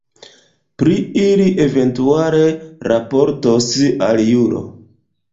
Pri ili eventuale raportos aliulo.